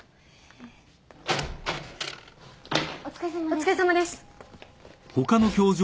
・お疲れさまです。